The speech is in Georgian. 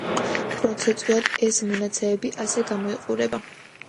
პროცენტულად ეს მონაცემები ასე გამოიყურება.